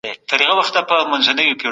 کمپيوټر د انسان ښه ملګری دئ.